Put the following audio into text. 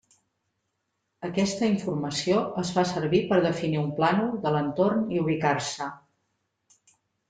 Aquesta informació es fa servir per definir un plànol de l'entorn i ubicar-se.